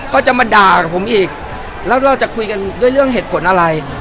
ก็จะมาด่ากับผมอีกแล้วเราจะคุยกันด้วยเรื่องเหตุผลอะไร